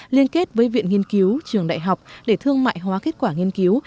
liên kết với viện nghiên cứu trường đại học để thương mại hóa kết quả nghiên cứu